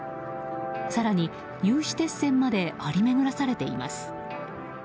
更に、有刺鉄線まで張り巡らされています。